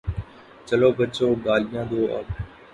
چلو بچو، گالیاں دو اب۔